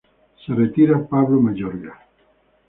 Se retira Pablo Mayorga.